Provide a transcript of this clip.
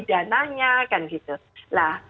dananya kan gitu nah